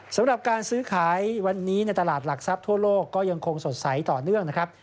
สำหรับการซื้อขายวันนี้ในตลาดหลักทรัพย์ทั่วโลกก็ยังคงสดใสต่อเนื่องนะครับ